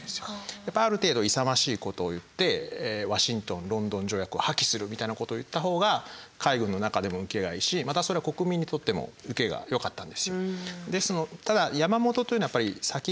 やっぱりある程度勇ましいことを言ってワシントンロンドン条約を破棄するみたいなことを言ったほうが海軍の中でも受けがいいしまたそれは国民にとっても受けが良かったんですよ。